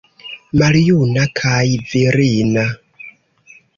Maljuna, kaj virina.